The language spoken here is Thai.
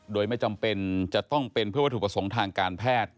โดยไม่จำเป็นจะต้องเป็นเพื่อวัตถุประสงค์ทางการแพทย์